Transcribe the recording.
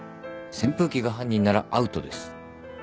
扇風機が犯人ならアウトです。